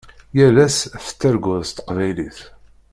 Yal ass tettarguḍ s teqbaylit.